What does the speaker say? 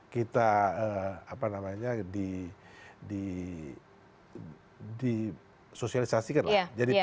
kita apa namanya di sosialisasikan lah